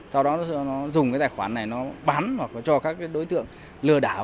sau đó nó dùng cái tài khoản này nó bán hoặc cho các đối tượng lừa đảo